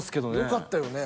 よかったよね。